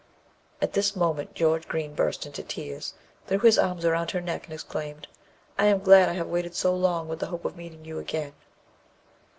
At this moment George Green burst into tears, threw his arms around her neck, and exclaimed, "I am glad I have waited so long, with the hope of meeting you again."